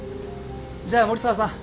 じゃあ森澤さん